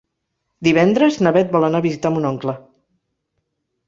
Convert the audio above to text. Divendres na Beth vol anar a visitar mon oncle.